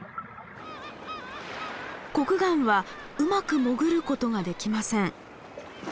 コクガンはうまく潜ることができません。